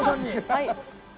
はい。